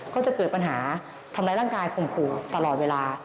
ก็จะเกิดปัญหาทำร้ายร่างกายข่มขู่ตลอดเวลา